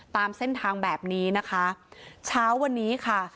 ตามเส้นทางแบบนี้นะคะเช้าวันนี้ค่ะ